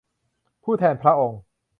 ผู้แทนพระองค์